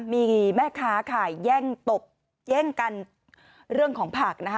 มีแม่ค้าค่ะแย่งตบแย่งกันเรื่องของผักนะคะ